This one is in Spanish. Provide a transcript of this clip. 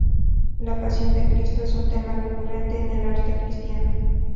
La Pasión de Cristo es un tema recurrente en el arte cristiano.